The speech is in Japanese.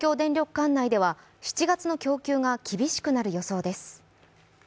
管内では７月の供給が厳しくなる予想です。